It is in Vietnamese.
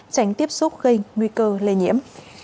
tránh tiếp xúc gây nguy cơ lây nhiễm